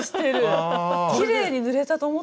きれいに塗れたと思ったのに？